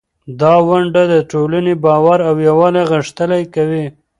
دا ونډه د ټولنې باور او یووالی غښتلی کوي.